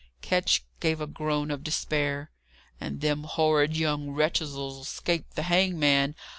Ketch gave a groan of despair. "And them horrid young wretches'll escape the hangman!